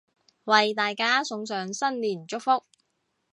為大家送上新年祝福